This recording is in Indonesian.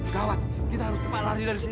gawat kita harus cepet lari dari sini